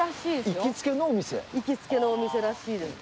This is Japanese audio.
行きつけのお店らしいです。